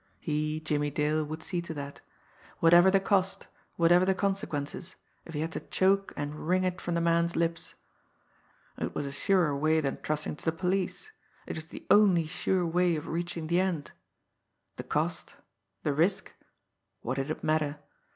He, Jimmie Dale, would see to that whatever the cost, whatever the consequences, if he had to choke and wring it from the man's lips. It was a surer way than trusting to the police it was the only sure way of reaching the end. The cost! The risk! What did it matter?